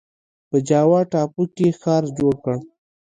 په جاوا ټاپو کې ښار جوړ کړ.